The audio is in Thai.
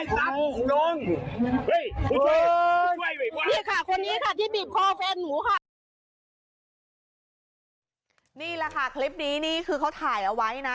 จ้ะหนูรักไม่ได้จริงจ้ะหนูรักไม่ได้จริงจ้ะ